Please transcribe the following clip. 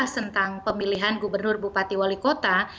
tentang pemilihan gubernur bupati wali kota